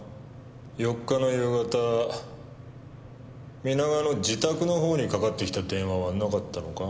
４日の夕方皆川の自宅の方にかかってきた電話はなかったのか？